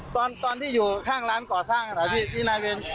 ตอนตอนที่อยู่ข้างล้านก่อสร้างนะพี่ที่นายเวณ